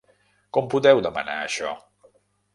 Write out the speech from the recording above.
Com podeu demanar això?